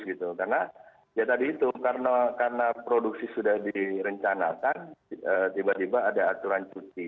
karena ya tadi itu karena produksi sudah direncanakan tiba tiba ada aturan cuti